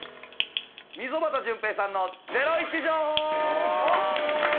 溝端淳平さんのゼロイチ情報！